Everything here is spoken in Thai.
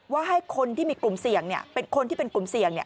ว่าให้คนที่มีกลุ่มเสี่ยงเป็นคนที่เป็นกลุ่มเสี่ยง